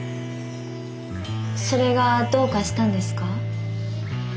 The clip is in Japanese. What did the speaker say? それがどうかしたんですか？